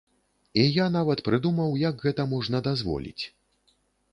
І я нават прыдумаў, як гэта можна дазволіць.